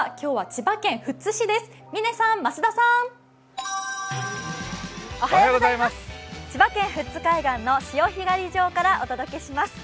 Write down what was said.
千葉県・富津海岸の潮干狩り場からお送りします。